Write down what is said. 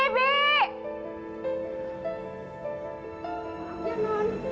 lama banget sih kalau dipandu